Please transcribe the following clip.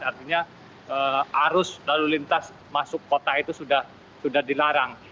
artinya arus lalu lintas masuk kota itu sudah dilarang